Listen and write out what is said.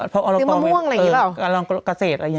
มะม่วงอะไรหินึกอ่าว